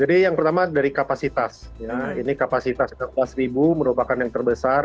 ini kapasitas ini kapasitas tiga belas merupakan yang terbesar